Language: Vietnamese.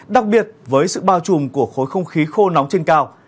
đặc biệt với sự bao trùm của khối không khí khô nóng trên cao